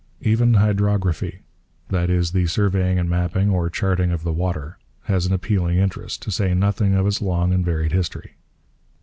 Even hydrography that is, the surveying and mapping (or 'charting') of the water has an appealing interest, to say nothing of its long and varied history.